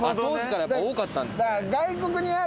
当時から多かったんですね。